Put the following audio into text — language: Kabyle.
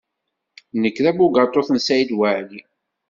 Nekk d tabugaṭut n Saɛid Waɛli.